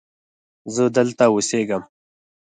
زه دلته اوسیږم.